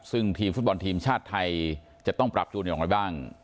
ซึ่งทีมฟุตบอลทีมชาติไทยจะต้องปรับตัวอย่างไรบ้าง